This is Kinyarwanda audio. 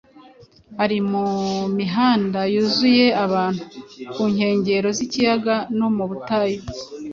Ari mu mihanda yuzuye abantu, ku nkengero z’ikiyaga no mu butayu,